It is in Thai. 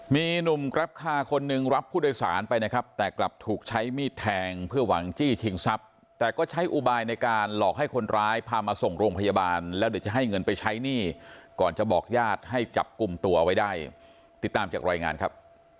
มีหนุ่มแกรปคาร์คนหนึ่งรับผู้โดยสารไปนะครับแต่กลับถูกใช้มีดแทงเพื่อหวังจี้ชิงทรัพย์แต่ก็ใช้อุบายในการหลอกให้คนร้ายพามาส่งโรงพยาบาลแล้วเดี๋ยวจะให้เงินไปใช้หนี้ก่อนจะบอกญาติให้จับกลุ่มตัวไว้ได้ติดตามจากรายงานครับ